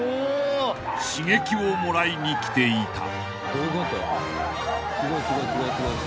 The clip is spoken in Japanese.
［刺激をもらいに来ていた］